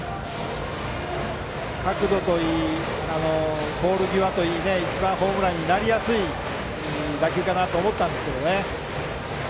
角度といい、ポール際といい一番ホームランになりやすい打球かなと思ったんですがね。